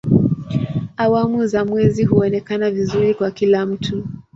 Awamu za mwezi huonekana vizuri kwa kila mtu.